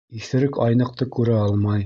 Иҫерек айныҡты күрә алмай.